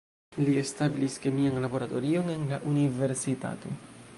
Li establis kemian laboratorion en la universitato.